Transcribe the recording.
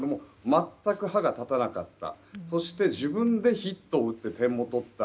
全く歯が立たなかったそして自分でヒットを打って点も取った。